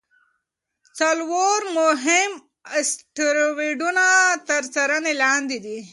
څلور مهم اسټروېډونه تر څارنې لاندې دي.